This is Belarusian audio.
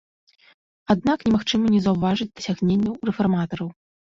Аднак немагчыма не заўважыць дасягненняў рэфарматараў.